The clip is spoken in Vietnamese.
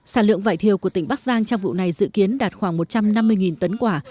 sản lượng vải thiều của tỉnh bắc giang trong vụ này dự kiến đạt khoảng một trăm năm mươi tấn quả